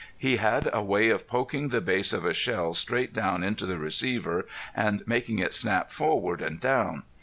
He had a way of poking the base of a shell straight down into the receiver and making it snap forward and down.